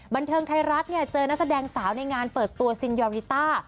บันเทิงไทยรัฐเนี่ยเจอนักแสดงสาวในงานเปิดตัวซินยอริต้า